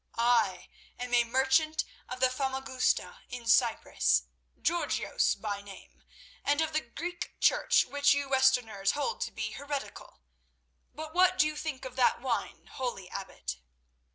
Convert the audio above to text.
"I am a merchant of Famagusta in Cyprus, Georgios by name, and of the Greek Church which you Westerners hold to be heretical. But what do you think of that wine, holy Abbot?"